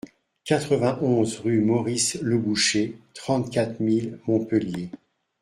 quatre-vingt-onze rue Maurice Le Boucher, trente-quatre mille Montpellier